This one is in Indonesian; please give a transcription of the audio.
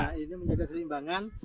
nah ini menjaga keseimbangan